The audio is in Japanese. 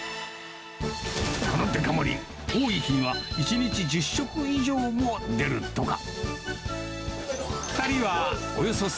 このデカ盛り、多い日には１日１０食以上も出るとか。